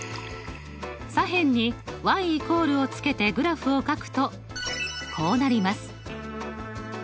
左辺に＝を付けてグラフをかくとこうなります。